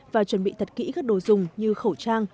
và chuẩn bị thật kỹ các đồ dùng như khẩu trang